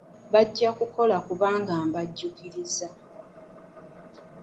Bajja kugukola kubanga baagukkiriza.